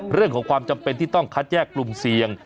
เรื่องของความจำเป็นที่ต้องคัดแยกกลุ่มเสี่ยง